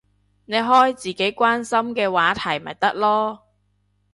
你開自己關心嘅話題咪得囉